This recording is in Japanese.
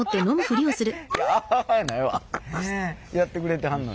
やってくれてはんのに。